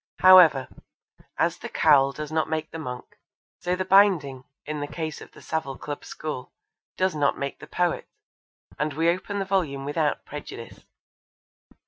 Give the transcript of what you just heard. However, as the cowl does not make the monk, so the binding, in the case of the Savile Club school, does not make the poet, and we open the volume without prejudice.